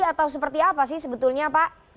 atau seperti apa sih sebetulnya pak